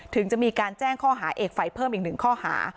ถึงจะมีการแจ้งข้อหาเอกไฟเพิ่มอีกหนึ่งข้อหา